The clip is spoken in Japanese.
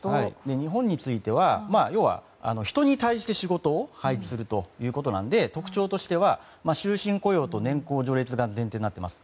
日本については人に対して仕事を配置するということなので特徴としては終身雇用と年功序列が前提になっています。